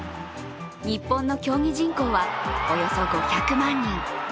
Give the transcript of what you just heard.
日本の競技人口はおよそ５００万人。